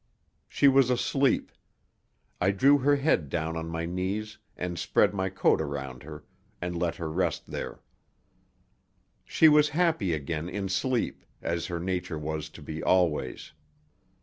She was asleep. I drew her head down on my knees and spread my coat around her, and let her rest there. She was happy again in sleep, as her nature was to be always.